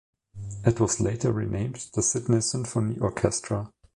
It was later renamed the Sydney Symphony Orchestra.